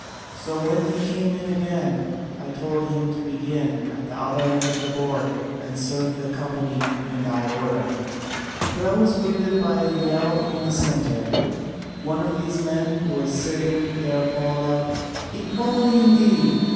So when he came in again, I told him to begin at the other end of the board, and serve the company in that order. But I was greeted by a yell from the centre: one of these men who was sitting there bawled out, 'Equality indeed!